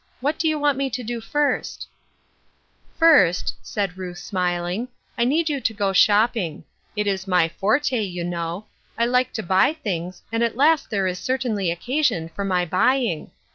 What do you want to do first ?"" First," said Ruth, smiling, " I need to go shopping. It is my forte^ you know. I like to buy things, and at last there is certainly occasion for my buying.